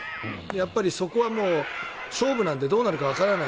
やっぱり、そこはもう勝負なんでどうなるかわからない。